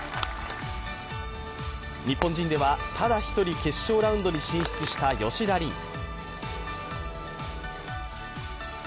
日本人ではただ一人決勝ラウンドに進出した吉田鈴。